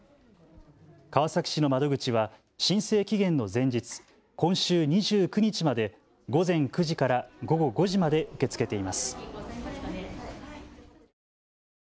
川崎市の窓口は申請期限の前日、今週２９日まで午前９時から午後５時まで受け付けています。